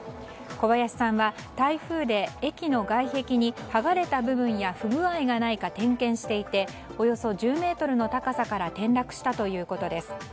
小林さんは、台風で駅の外壁に剥がれた部分や不具合がないか点検していておよそ１０ｍの高さから転落したということです。